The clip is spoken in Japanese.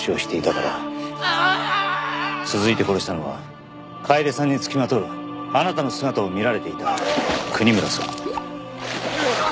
続いて殺したのは楓さんに付きまとうあなたの姿を見られていた国村さん。